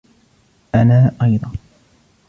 أنا أيضاً.